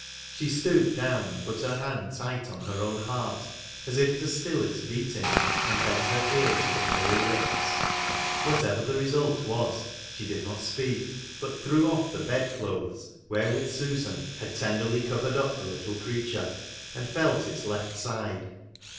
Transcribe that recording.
She stooped down, and put her hand tight on her own heart, as if to still its beating, and bent her ear to the pale lips. Whatever the result was, she did not speak ; but threw off the bed clothes wherewith Susan had tenderly i covered up the little creature, and felt its left side.